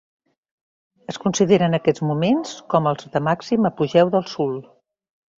Es consideren aquests moments com els de màxim apogeu del soul.